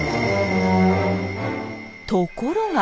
ところが。